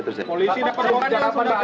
polisi sudah perlu alamatnya